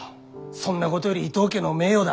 そんなことより伊藤家の名誉だ。